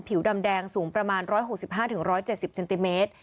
ผิวดำแดงสูงประมาณ๑๖๕๑๗๐เซนติเมตร